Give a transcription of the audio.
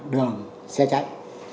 đường xe chạy